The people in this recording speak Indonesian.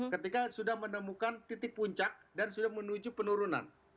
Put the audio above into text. ketika sudah menemukan titik puncak dan sudah menuju penurunan